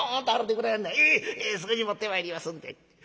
すぐに持ってまいりますんで」。